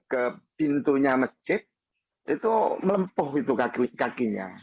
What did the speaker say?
ke pintunya masjid itu melempuh itu kakinya